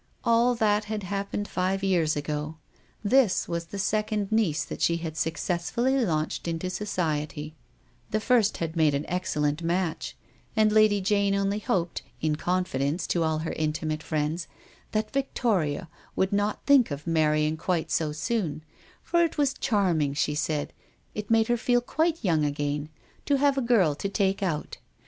All that had happened five years ago. This was the second niece that she had successfully launched in society; the first had made an excellent match, and Lady Jane only hoped, in confidence to all her intimate friends, that Victoria would not think of marrying quite so soon, for it was charming, she said — it ^286 THE 8T0RT OF A MODERN WOMAN. made her feel quite young again — to have a girl to take out.